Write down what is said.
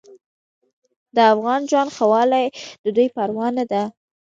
د افغان ژوند ښهوالی د دوی پروا نه ده.